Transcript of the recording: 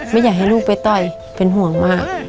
ไม่อยากให้ลูกไปต่อยเป็นห่วงมาก